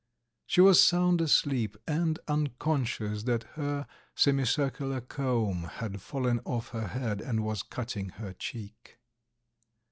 She was sound asleep, and unconscious that her semi circular comb had fallen off her head and was cutting her cheek.